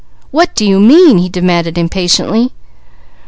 "What do you mean?" he demanded impatiently.